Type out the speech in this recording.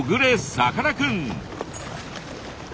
さかなクン！